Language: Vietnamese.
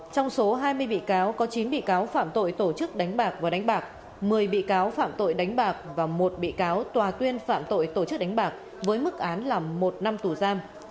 trong số hai mươi bị cáo có chín bị cáo phạm tội tổ chức đánh bạc và đánh bạc một mươi bị cáo phạm tội đánh bạc và một bị cáo tòa tuyên phạm tội tổ chức đánh bạc với mức án là một năm tù giam